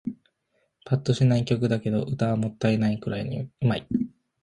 ぱっとしない曲だけど、歌はもったいないくらいに上手い